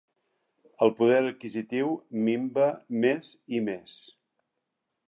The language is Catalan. El poder adquisitiu minva més i més.